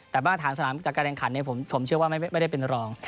แต่มาตรฐานสนามจากการแข่งขันผมเชื่อว่าไม่ได้เป็นรอง